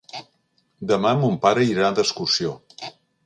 Demà mon pare irà d'excursió.